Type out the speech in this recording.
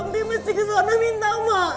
mpih masih kesana minta maaf